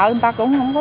người ta cũng không có